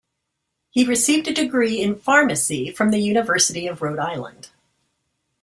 He received a degree in Pharmacy from the University of Rhode Island.